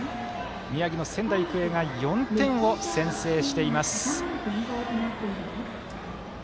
宮城の仙台育英が４点を先制しています。